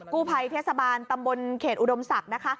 กู้ภัยเทศบาลตำบลเขตอุดมศักดิ์นะคะ